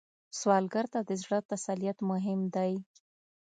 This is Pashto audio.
سوالګر ته د زړه تسلیت مهم دی